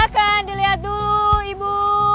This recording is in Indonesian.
silahkan dilihat dulu ibu